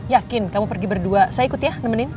yakin kamu pergi berdua saya ikut ya nemenin